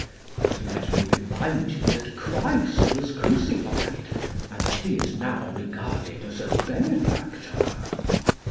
But let me remind you that Christ was crucified, and that he is now regarded as a benefactor.